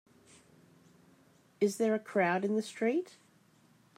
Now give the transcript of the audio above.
Is there a crowd in the street?